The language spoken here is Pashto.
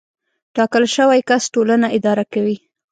ټاکل شوی کس ټولنه اداره کوي.